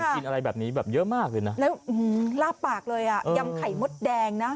กินอะไรแบบนี้แบบเยอะมากเลยนะแล้วลาบปากเลยอ่ะยำไข่มดแดงนะ